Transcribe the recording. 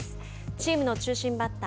チームの中心バッター